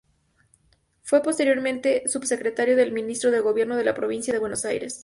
Fue posteriormente subsecretario del Ministerio de Gobierno de la Provincia de Buenos Aires.